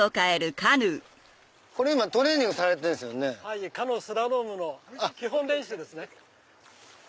カヌースラロームの基本練習ですね。